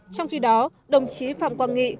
trong khi đó đồng chí phạm quang nghị